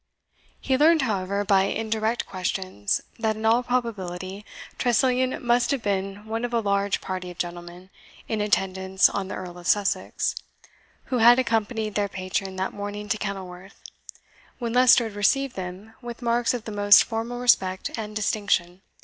He learned, however, by indirect questions, that in all probability Tressilian must have been one of a large party of gentlemen in attendance on the Earl of Sussex, who had accompanied their patron that morning to Kenilworth, when Leicester had received them with marks of the most formal respect and distinction.